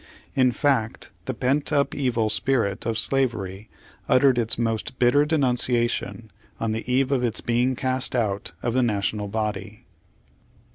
In fact the pent up evil spirit of slavery uttered its most bitter denunciation on the eve of its being cast out of the National body.